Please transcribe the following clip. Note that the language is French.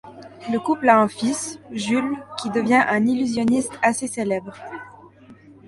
Le couple a un fils, Jules, qui devient un illusionniste assez célèbre.